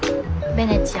ベネチア？